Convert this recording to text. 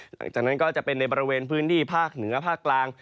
หลังจากนั้นก็จะเป็นในบริเวณพื้นที่ภาคเหนือภาคกลาง